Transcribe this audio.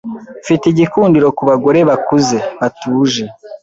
Mfite igikundiro kubagore bakuze, batuje.